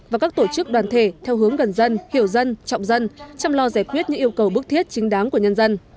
và các tổ chức đoàn thể theo hướng gần dân hiểu dân trọng dân chăm lo giải quyết những yêu cầu bức thiết chính đáng của nhân dân